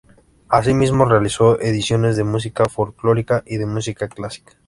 Asimismo realizó ediciones de música folclórica y de música clásica.